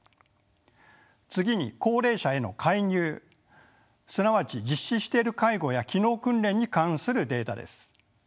次に高齢者への介入すなわち実施している介護や機能訓練に関するデータです。